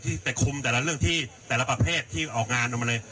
ที่ไปคุมแต่ละเรื่องที่แต่ละประเภทที่ออกงานออกมาเลย